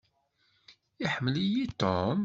Iḥemmel-iyi Tom?